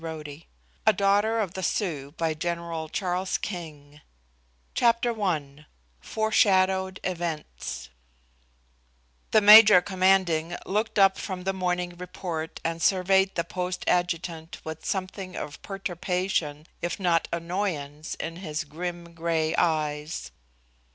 SHE'S COMING" SHE WAS THERE A DAUGHTER OF THE SIOUX CHAPTER I FORESHADOWED EVENTS The major commanding looked up from the morning report and surveyed the post adjutant with something of perturbation, if not annoyance, in his grim, gray eyes.